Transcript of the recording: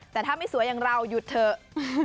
แต่ถ้าไม่สวยอย่างเราหยุดเถอะ